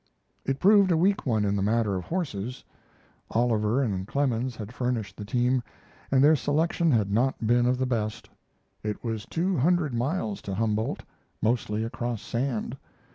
It proved a weak one in the matter of horses. Oliver and Clemens had furnished the team, and their selection had not been of the best. It was two hundred miles to Humboldt, mostly across sand.